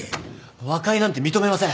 和解なんて認めません。